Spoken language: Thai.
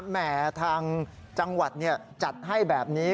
แห่ทางจังหวัดจัดให้แบบนี้